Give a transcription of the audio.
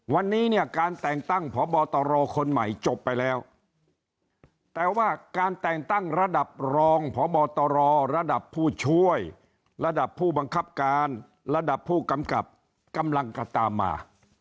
วันนี้เนี่ยการแต่งตั้งพบตรคนใหม่จบไปแล้วแต่ว่าการแต่งตั้งระดับรองพบตรระดับผู้ช่วยระดับผู้บังคับการระดับผู้กำกับกำลังจะตามมา